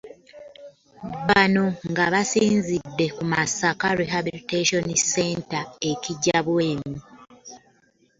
Bano nga basinzidde ku Masaka Rehabilitation Center e Kijjabwemi